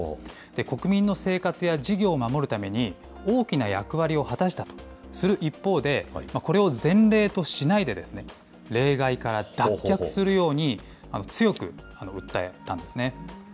国民の生活や事業を守るために大きな役割を果たしたとする一方で、これを前例としないで、例外から脱却するように強く訴えたんですね。